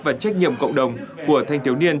và trách nhiệm cộng đồng của thanh thiếu niên